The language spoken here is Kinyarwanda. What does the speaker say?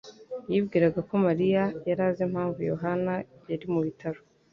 yibwiraga ko Mariya yari azi impamvu Yohana yari mu bitaro.